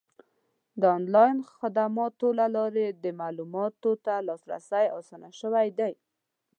د آنلاین خدماتو له لارې د معلوماتو ته لاسرسی اسان شوی دی.